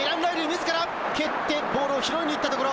自ら蹴ってボールを拾いにいったところ。